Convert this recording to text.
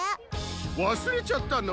わすれちゃったの？